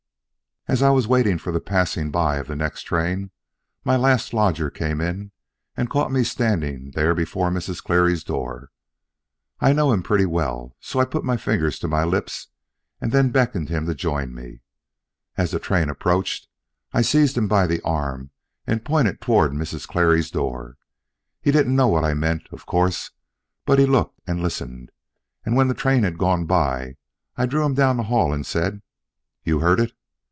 As I was waiting for the passing by of the next train, my last lodger came in and caught me standing there before Mrs. Clery's door. I know him pretty well; so I put my finger to my lips and then beckoned him to join me. As the train approached, I seized him by the arm and pointed toward Mrs. Clery's door. He didn't know what I meant, of course, but he looked and listened, and when the train had gone by, I drew him down the hall and said, "You heard it!"